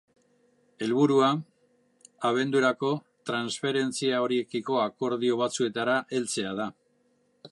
Helburua abendurako tranferentzia horiekiko akordio batzuetara heltzea da.